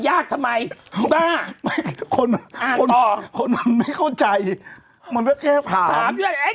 ยากทำไมบ้าคนอ่านต่อคนมันไม่เข้าใจมันแค่ถามถาม